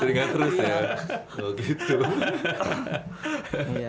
teringat terus ya